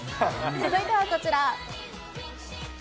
続いてはこちら。